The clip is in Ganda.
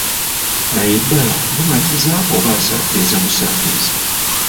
Naye ddala bimatiza oba asaakiriza busaakiriza?